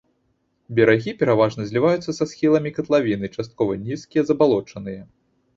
Берагі пераважна зліваюцца са схіламі катлавіны, часткова нізкія, забалочаныя.